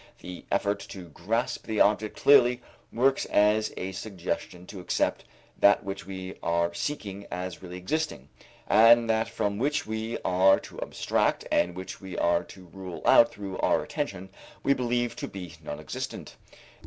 The effort to grasp the object clearly works as a suggestion to accept that which we are seeking as really existing, and that from which we are to abstract and which we are to rule out through our attention, we believe to be non existent.